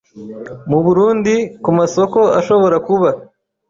mu Burundi ku masoko ashobora kuba